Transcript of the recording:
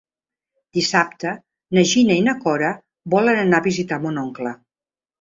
Dissabte na Gina i na Cora volen anar a visitar mon oncle.